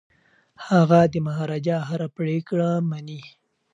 هغه د مهاراجا هره پریکړه مني.